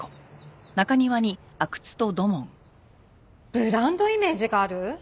ブランドイメージがある？